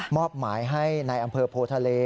มอบหมายให้นายอำเภอโพธาเล